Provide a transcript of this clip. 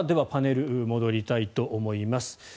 パネルに戻りたいと思います。